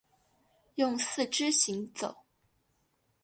用四肢行走。